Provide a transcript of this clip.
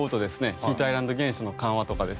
ヒートアイランド現象の緩和とかですね